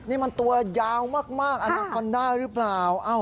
นี่มันตัวยาวมากอนาคอนด้าหรือเปล่า